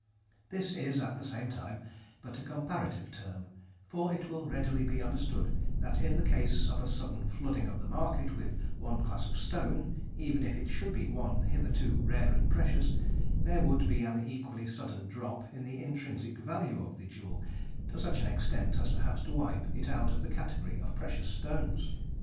This is, at the same time, but a comparative term, for it will readily be understood that in the case of a sudden flooding of the market with one class of stone, even if it should be one hitherto rare and precious, there would be an equally sudden drop in the intrinsic value of the jewel to such an extent as perhaps to wipe it out of the category of precious stones.